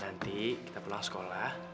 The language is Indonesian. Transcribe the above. nanti kita pulang sekolah